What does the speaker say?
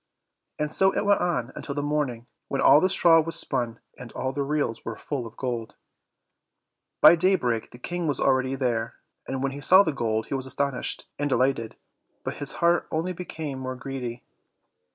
And so it went on until the morning, when all the straw was spun, and all the reels were full of gold. By daybreak the King was already there, and when he saw the gold he was astonished and delighted, but his heart became only more greedy.